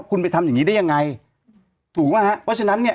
คุณไปทำอย่างงี้ได้ยังไงถูกไหมฮะเพราะฉะนั้นเนี่ย